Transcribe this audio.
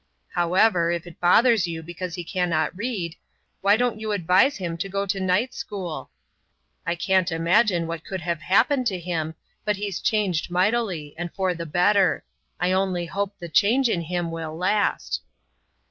However, if it bothers you because he cannot read, why don't you advise him to go to night school? I can't imagine what could have happened to him, but he's changed mightily, and for the better. I only hope the change in him will last!"